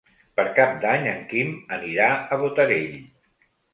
Per Cap d'Any en Quim anirà a Botarell.